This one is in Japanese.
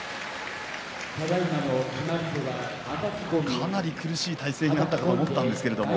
かなり苦しい体勢になったと思ったんですが。